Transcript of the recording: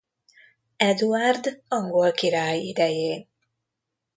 Eduárd angol király idején.